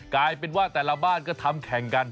กลายเป็นว่าแต่ละบ้านก็ทำแข่งกัน